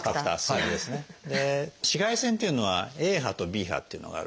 で紫外線っていうのはＡ波とＢ波っていうのがあるんですね。